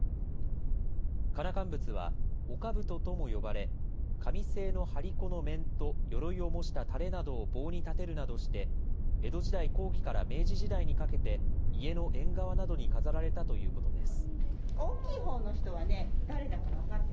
かなかんぶつは、おかぶととも呼ばれ、紙製の張り子の面とよろいを模したたれなどを棒に立てるなどして、江戸時代後期から明治時代にかけて、家の縁側などに飾られたということです。